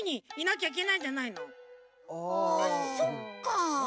あそっか。